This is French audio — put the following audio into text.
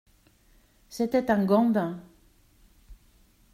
C’était un gandin…